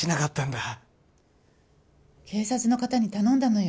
警察の方に頼んだのよ。